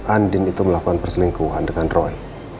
andin itu melakukan perselingkuhan dengan roy